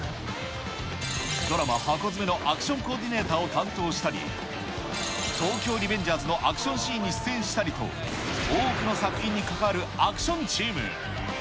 ドラマ、ハコヅメのアクションコーディネーターを担当したり、東京リベンジャーズのアクションシーンに出演したりと、多くの作品に関わるアクションチーム。